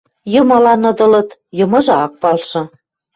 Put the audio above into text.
Йымылан ыдылыт, йымыжы ак палшы.